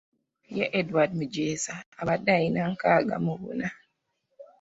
Ye Edward Mujeza abadde alina nkaaga mu buna.